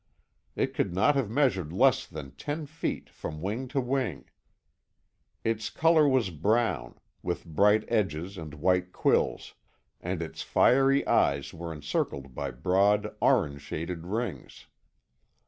It could not have measured less than ten feet from wing to wing. Its colour was brown, with bright edges and white quills, and its fiery eyes were encircled by broad orange shaded rings.